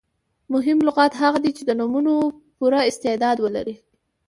مهم لغت هغه دئ، چي د نومونو پوره استعداد ولري.